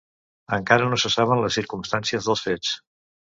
Encara no se saben les circumstàncies dels fets.